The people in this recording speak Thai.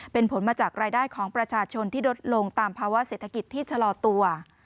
เป็นผลมาจากรายได้ของประชาชนที่ลดลงตามภาวะเศรษฐกิจที่ชะลอตัว